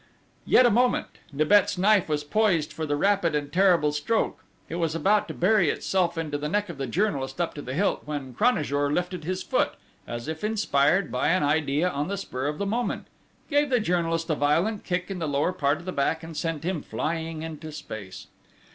Yet a moment: Nibet's knife was poised for the rapid and terrible stroke; it was about to bury itself in the neck of the journalist up to the hilt, when Cranajour lifted his foot, as if inspired by an idea on the spur of the moment, gave the journalist a violent kick in the lower part of the back, and sent him flying into space!